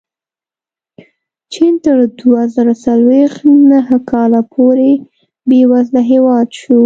چین تر دوه زره څلوېښت نهه کاله پورې بېوزله هېواد شو.